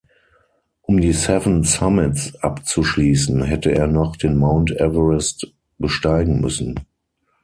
Um die Seven Summits abzuschließen, hätte er noch den Mount Everest besteigen müssen.